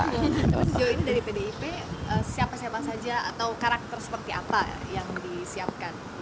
sejauh ini dari pdip siapa siapa saja atau karakter seperti apa yang disiapkan